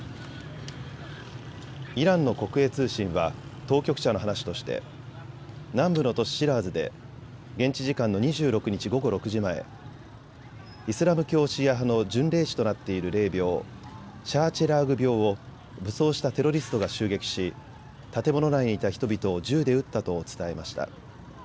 イランの国営通信は当局者の話として南部の都市シラーズで現地時間の２６日午後６時前、イスラム教シーア派の巡礼地となっている霊びょう、シャー・チェラーグ廟を武装したテロリストが襲撃し建物内にいた人々を銃で撃ったと伝えました。